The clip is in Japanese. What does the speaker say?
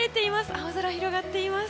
青空広がっています。